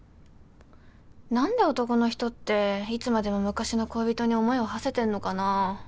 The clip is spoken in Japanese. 何で男の人っていつまでも昔の恋人に思いをはせてんのかな？